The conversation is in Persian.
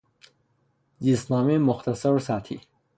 زیستنامهی مختصر و سطحی